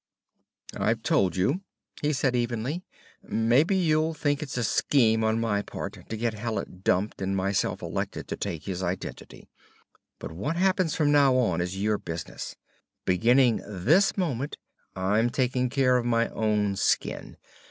"I've told you," he said evenly. "Maybe you'll think it's a scheme on my part to get Hallet dumped and myself elected to take his identity. But what happens from now on is your business. Beginning this moment, I'm taking care of my own skin.